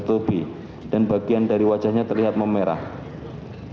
nomor usaha tanah going wanna kaking